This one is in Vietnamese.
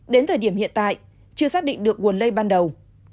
đến thời điểm hiện tại chưa xác định được nguồn lây ban đầu